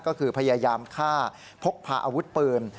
ก็คือพยายามฆ่าพกพาอาวุธปืน